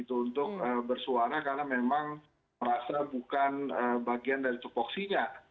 untuk bersuara karena memang merasa bukan bagian dari tupoksinya